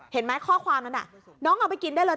เห็นไหมข้อความนั้นน้องเอาไปกินได้เลย